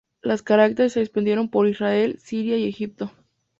Los caraítas se expandieron por Israel, Siria y Egipto.